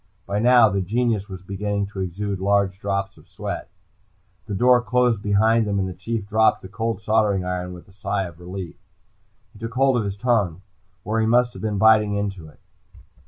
By now, the genius was beginning to exude large drops of sweat. The door closed behind them, and the Chief dropped the cold soldering iron with a sigh of relief. He took hold of his tongue, where he must have been biting into it.